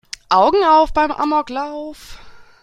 Augen auf beim Amoklauf!